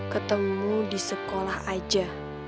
ketemu di sekolah aja